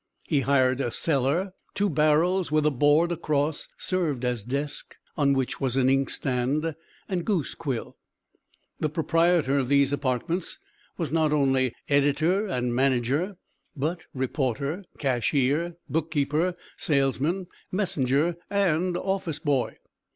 He hired a cellar; two barrels with a board across served as desk on which was an ink stand and goose quill. The proprietor of these apartments was not only editor and manager, but reporter, cashier, book keeper, salesman, messenger and office boy.